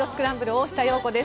大下容子です。